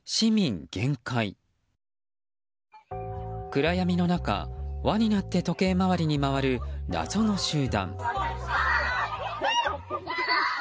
暗闇の中、輪になって時計回りに回る、謎の集団。